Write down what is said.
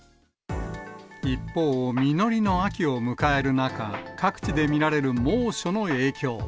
一方、実りの秋を迎える中、各地で見られる猛暑の影響。